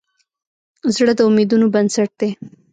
زړه د امیدونو بنسټ دی.